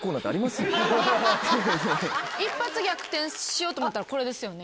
一発逆転しようと思ったらこれですよね。